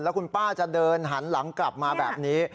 คุณป้าจะเดินหันหลังกลับมาแบบนี้